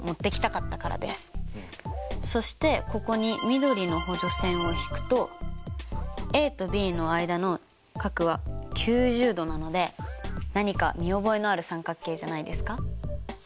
そしてここに緑の補助線を引くとａとｂの間の角は９０度なので何か見覚えのある三角形じゃないですか？